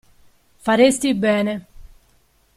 Faresti bene.